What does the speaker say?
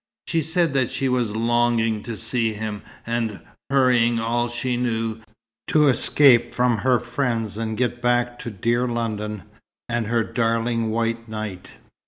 She said that she was longing to see him, and "hurrying all she knew," to escape from her friends, and get back to "dear London, and her darling White Knight."